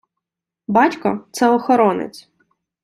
Батько – це охоронець.